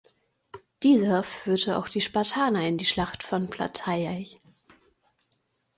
Dieser führte auch die Spartaner in die Schlacht von Plataiai.